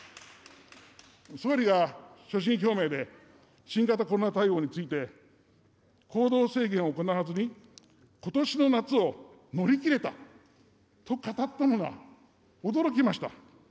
総理が所信表明で新型コロナ対応について、行動制限を行わずに、ことしの夏を乗り切れたと語ったのは、驚きました。